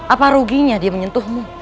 apa ruginya dia menyentuhmu